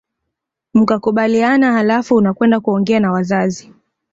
Mkakubaliana halafu unakwenda kuongea na wazazi